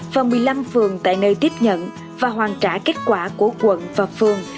và một mươi năm phường tại nơi tiếp nhận và hoàn trả kết quả của quận và phường